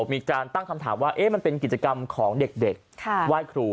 มีการตั้งคำถามว่ามันเป็นกิจกรรมของเด็กไหว้ครู